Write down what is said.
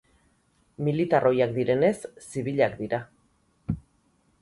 Militar oihak direnez, zibilak dira.